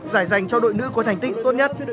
giải dành cho đội nữ có thành tích tốt nhất